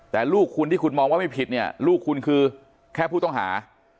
แต่ลูกคุณที่คุณมองว่าไม่ผิดเนี่ยลูกคุณคือแค่ผู้ต้องหา